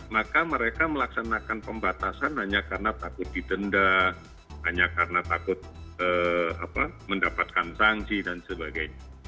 maka mereka melaksanakan pembatasan hanya karena takut didenda hanya karena takut mendapatkan sanksi dan sebagainya